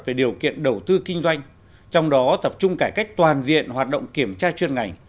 về điều kiện đầu tư kinh doanh trong đó tập trung cải cách toàn diện hoạt động kiểm tra chuyên ngành